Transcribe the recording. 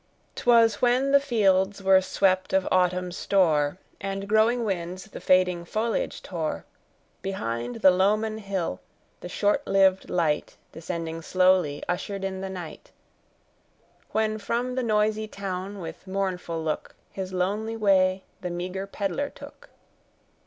'Twas when the fields were swept of Autumn's store, And growing winds the fading foliage tore Behind the Lowmon hill, the short lived light, Descending slowly, ushered in the night; When from the noisy town, with mournful look, His lonely way the meager peddler took.